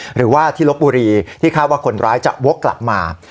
หรือว่าที่ลบบุรีที่คาดว่าคนร้ายจะวกกลับมา